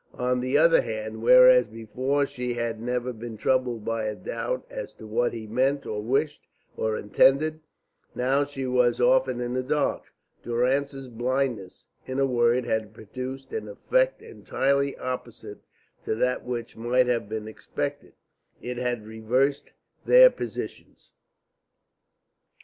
On the other hand, whereas before she had never been troubled by a doubt as to what he meant or wished, or intended, now she was often in the dark. Durrance's blindness, in a word, had produced an effect entirely opposite to that which might have been expected. It had reversed their positions.